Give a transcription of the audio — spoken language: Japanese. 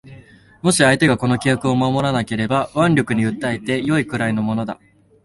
もし相手がこの規約を守らなければ腕力に訴えて善いくらいのものだ